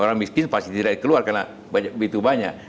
orang miskin pasti tidak dikeluar karena itu banyak